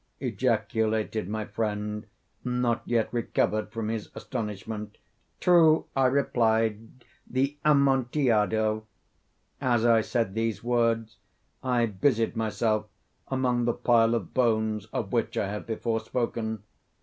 ejaculated my friend, not yet recovered from his astonishment. "True," I replied; "the Amontillado." As I said these words I busied myself among the pile of bones of which I have before spoken.